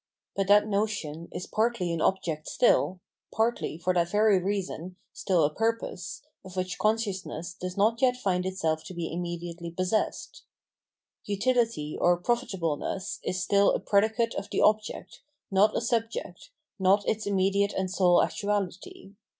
But that notion is partly an object still, partly, for that very reason, still a purpose, of which consciousness does not yet find itself to be immediately possessed. Utility or profitableness is still a predicate of the object, not a subject, not its immediate and sole actuality.